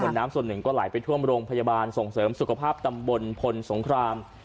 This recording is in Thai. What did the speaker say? น้ำส่วนหนึ่งก็ไหลไปท่วมโรงพยาบาลส่งเสริมสุขภาพตำบลพลสงคราม